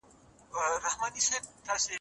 نو زده کوونکي هڅول کېږي.